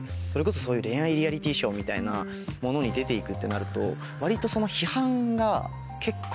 それこそそういう恋愛リアリティーショーみたいなものに出て行くってなると割と。